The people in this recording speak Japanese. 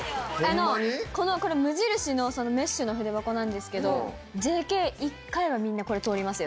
これ無印のメッシュの筆箱なんですけどＪＫ１回はみんなこれ通りますよ。